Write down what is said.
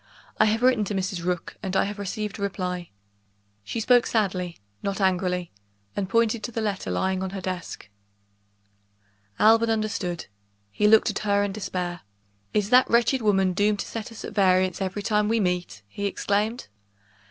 I have written to Mrs. Rook, and I have received a reply." She spoke sadly, not angrily and pointed to the letter lying on her desk. Alban understood: he looked at her in despair. "Is that wretched woman doomed to set us at variance every time we meet!" he exclaimed.